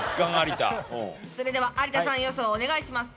それでは有田さん予想お願いします。